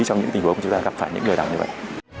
trong những tình huống của chúng ta gặp phải những lừa đảo như vậy